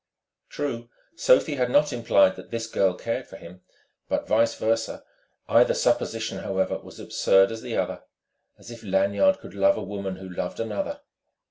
True, Sophie had not implied that this girl cared for him, but vice versa: either supposition, however, was as absurd as the other. As if Lanyard could love a woman who loved another!